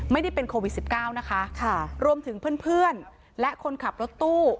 ไม่ได้เป็นโควิดสิบเก้านะคะค่ะรวมถึงเพื่อนเพื่อนและคนขับรถตู้